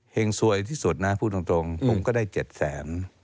สวยที่สุดนะพูดตรงผมก็ได้๗แสน